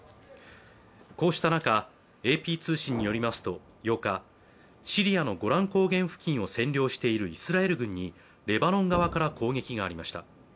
こうした中ＡＰ通信によりますと８日シリアのゴラン高原付近を占領しているイスラエル軍にレバノン側から攻撃がありました